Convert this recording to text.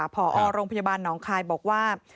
พอโรงพยาบาลหนองคายบอกว่า